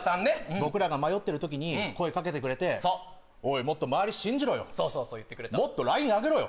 僕らが迷ってる時に声かけてくれてそうおいもっと周り信じろよそうそうそう言ってくれたもっとライン上げろよ